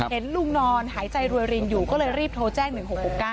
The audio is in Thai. เห็นลุงนอนหายใจรวยรินอยู่ก็เลยรีบโทรแจ้ง๑๖๖๙